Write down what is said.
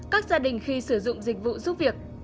các gia đình khi sử dụng dịch vụ giúp việc